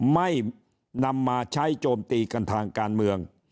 ไม่นำมาใช้โจมตีกันทางการเมือง